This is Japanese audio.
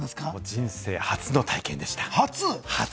人生初の体験でした。